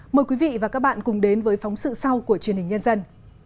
mời quý vị và các bạn cùng đến với phóng sự sau của truyền hình nhân dân